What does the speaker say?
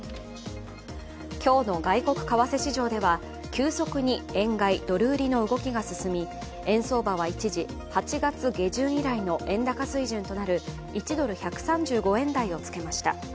今日の外国為替市場では急速に円買い・ドル売りの動きが進み、円相場は一時、８月下旬以来の円高水準となる１ドル＝１３５円台をつけました。